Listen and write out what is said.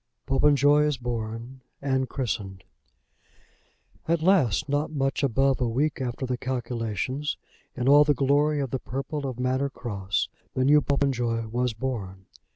POPENJOY IS BORN AND CHRISTENED. At last, not much above a week after the calculations, in all the glory of the purple of Manor Cross, the new Popenjoy was born.